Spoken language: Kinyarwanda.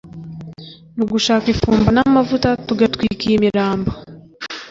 nugushaka ifumba namavuta tugatwika iyimirambo